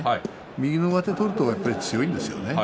右の上手を取ると強いんですよね。